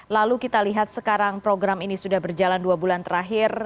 lalu kita lihat sekarang program ini sudah berjalan dua bulan terakhir